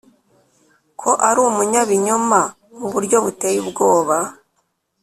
ko ari umunyabinyoma mu buryo buteye ubwoba